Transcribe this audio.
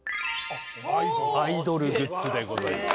アイドルグッズでございます。